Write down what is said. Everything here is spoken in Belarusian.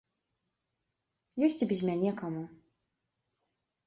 Ёсць і без мяне каму.